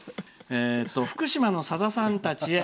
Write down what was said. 「福島のさださんたちへ。